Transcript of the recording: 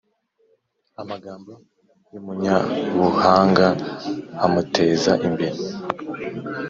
Amagambo y’umunyabuhanga amuteza imbere,